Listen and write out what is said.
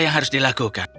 menghilangkan orang satu